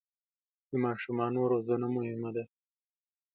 د ماشومانو روزنه مهمه ده.